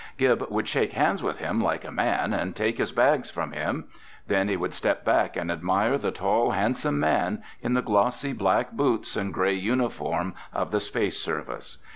Gib would shake hands with him like a man and take his bags from him. Then he would step back and admire the tall, handsome man in the glossy black boots and gray uniform of the Space Service.